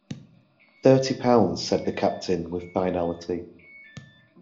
Thirty pounds, said the captain with finality.